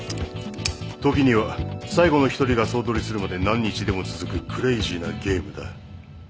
時には最後の一人が総取りするまで何日でも続くクレイジーなゲームだ。